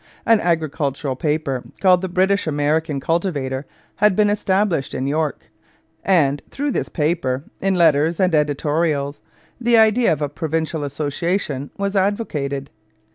An agricultural paper called the British American Cultivator had been established in York, and through this paper, in letters and editorials, the idea of a provincial association was advocated.